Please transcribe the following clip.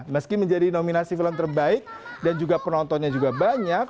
meski menjadi nominasi film terbaik dan juga penontonnya juga banyak